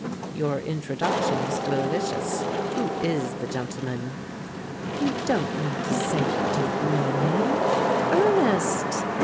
"Your introduction was delicious. Who is the gentleman?" "You don't mean to say you don't know him? —Ernest!"